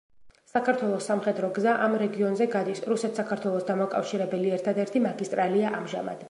საქართველოს სამხედრო გზა ამ რეგიონზე გადის, რუსეთ-საქართველოს დამაკავშირებელი ერთადერთი მაგისტრალია ამჟამად.